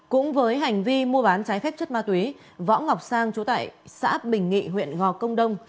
cũng với hành vi mua bán trái phép chất ma túy võ ngọc sang chú tại xã bình nghị huyện gò công đông